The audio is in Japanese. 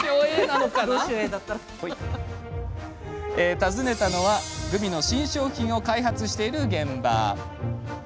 訪ねたのはグミの新商品を開発している現場。